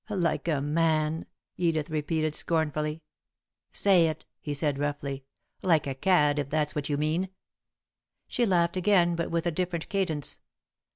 "Like a man!" Edith repeated, scornfully. "Say it," he said, roughly. "Like a cad, if that's what you mean." She laughed again, but with a different cadence.